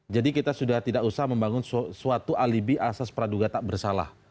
jadi kita sudah tidak usah membangun suatu alibi asas praduga tak bersalah